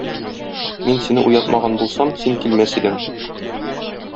Мин сине уятмаган булсам, син килмәс идең.